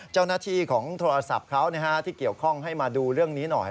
เจ้าหน้าที่ของโทรศัพท์เขาที่เกี่ยวข้องให้มาดูเรื่องนี้หน่อย